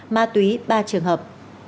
ma túy ba trường hợp